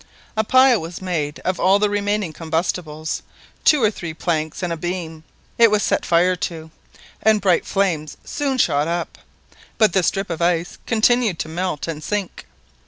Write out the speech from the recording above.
A pile was made of all the remaining combustibles—two or three planks and a beam. It was set fire to, and bright flames soon shot up, but the strip of ice continued to melt and sink.